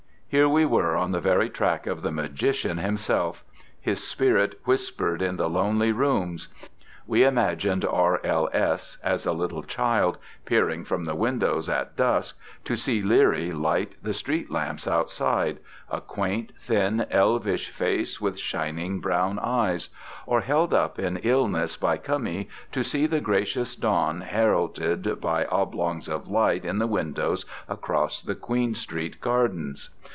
Here we were on the very track of the Magician himself: his spirit whispered in the lonely rooms. We imagined R.L.S. as a little child, peering from the windows at dusk to see Leerie light the street lamps outside—a quaint, thin, elvish face with shining brown eyes; or held up in illness by Cummie to see the gracious dawn heralded by oblongs of light in the windows across the Queen Street gardens.